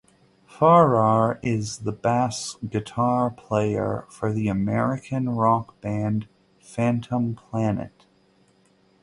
Farrar is the bass guitar player for the American rock band Phantom Planet.